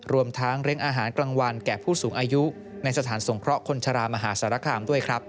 รวมทั้งเร่งอาหารกลางวันแก่ผู้สูงอายุในสถานสงเคราะห์คนชะลามหาสารคามด้วยครับ